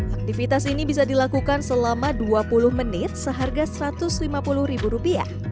aktivitas ini bisa dilakukan selama dua puluh menit seharga rp satu ratus lima puluh